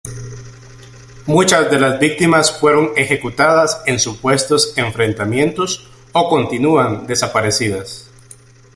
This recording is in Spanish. Muchas de las víctimas fueron ejecutadas en supuestos enfrentamientos o continúan desaparecidas.